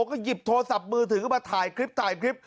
ก็หยิบโทรศัพท์มือถึงขึ้นมาถ่ายคลิป